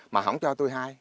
mà không cho tôi hai